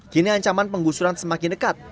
kini ancaman penggusuran semakin dekat